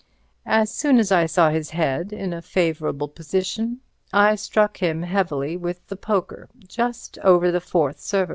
As soon as I saw his head in a favourable position I struck him heavily with the poker, just over the fourth cervical.